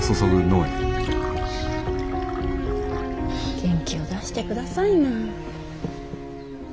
元気を出してくださいな。